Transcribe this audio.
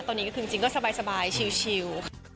ตอนนี้จริงก็สบายชิล